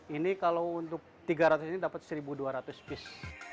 ini kalau untuk tiga ratus ini dapat seribu dua ratus piece